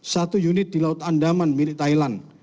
satu unit di laut andaman milik thailand